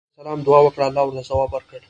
عيسی عليه السلام دعاء وکړه، الله ورته ځواب ورکړ